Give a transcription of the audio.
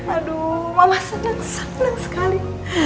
aduh mama senang senang sekali